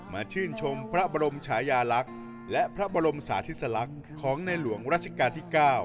ชื่นชมพระบรมชายาลักษณ์และพระบรมสาธิสลักษณ์ของในหลวงราชการที่๙